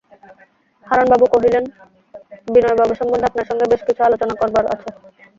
হারানবাবু কহিলেন, বিনয়বাবু সম্বন্ধে আপনার সঙ্গে কিছু আলোচনা করবার আছে।